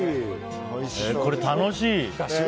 これ、楽しい。